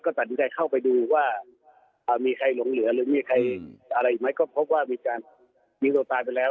แต่เดี๋ยวใครเข้าไปดูว่ามีใครหลงเหลือหรืออะไรอีกมั้ยก็พบว่ามีตัวตายไปแล้ว